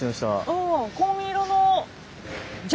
ああ紺色の。